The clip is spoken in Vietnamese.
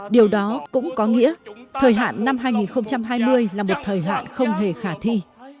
điều đó cũng có nghĩa thời hạn năm hai nghìn hai mươi là một thời hạn không hề khả thi